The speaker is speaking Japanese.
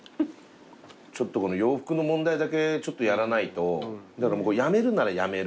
ちょっとこの洋服の問題だけちょっとやらないとやめるならやめる。